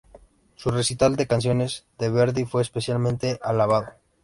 Su recital de canciones de Verdi fue especialmente alabado.